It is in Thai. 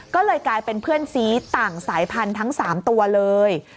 ก็เลยกลายเป็นเพื่อนซีต่างสายพันธุ์ทั้ง๓ตัวเลย